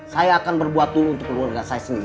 saya akan berbuat dulu untuk keluarga saya sendiri